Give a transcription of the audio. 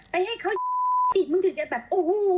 ให้เขาอีกมึงถึงจะแบบโอ้โห